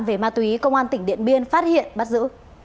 về ma túy công an tỉnh điện biên phát hiện bắt giữ